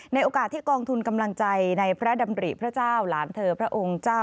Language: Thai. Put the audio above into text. โอกาสที่กองทุนกำลังใจในพระดำริพระเจ้าหลานเธอพระองค์เจ้า